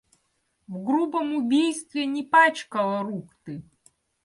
В грубом убийстве не пачкала рук ты.